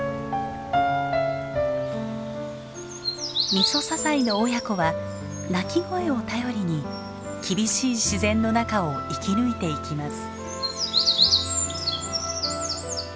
ミソサザイの親子は鳴き声を頼りに厳しい自然の中を生き抜いていきます。